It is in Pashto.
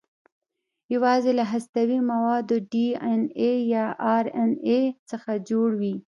یواځې له هستوي موادو ډي ان اې یا ار ان اې څخه جوړ وي.